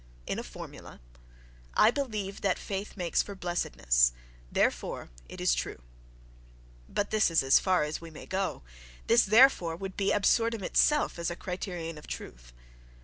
In a formula: "I believe that faith makes for blessedness—therefore, it is true."... But this is as far as we may go. This "therefore" would be absurdum itself as a criterion of truth.